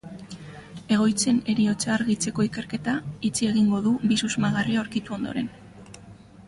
Egoitzen heriotza argitzeko ikerketa itxi egingo du bi susmagarri aurkitu ondoren.